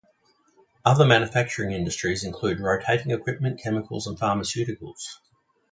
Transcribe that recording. Other manufacturing industries include rotating equipment, chemicals and pharmaceuticals.